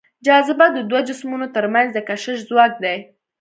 جاذبه د دوو جسمونو تر منځ د کشش ځواک دی.